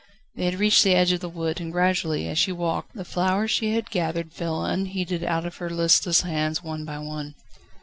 They had reached the edge of the wood, and gradually, as she walked, the flowers she had gathered fell unheeded out of her listless hands one by one.